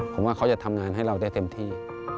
ผมว่าเขาจะทำงานให้เราได้เต็มที่